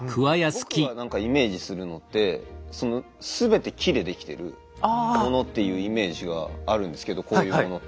僕が何かイメージするのってその全て木で出来てるものっていうイメージがあるんですけどこういうものって。